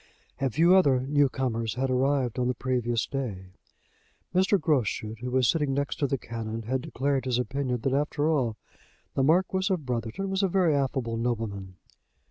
A few other new comers had arrived on the previous day. Mr. Groschut, who was sitting next to the Canon, had declared his opinion that, after all, the Marquis of Brotherton was a very affable nobleman.